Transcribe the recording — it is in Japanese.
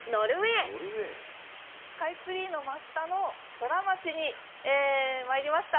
スカイツリーの真下のソラマチにまいりました。